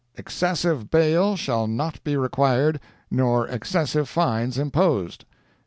Excessive bail shall not be required, nor excessive fines imposed."